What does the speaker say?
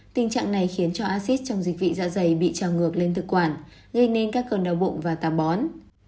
tình trạng này khiến cho acid trong dịch vị dạ dày bị trào ngược lên thực quản gây nên các cơn đau bụng và tà bón